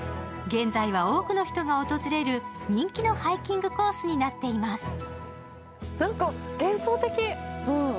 現在は多くの人が訪れる人気のハイキングコースになっています。